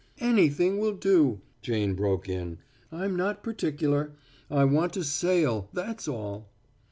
"Anything will do," Jane broke in. "I'm not particular. I want to sail that's all."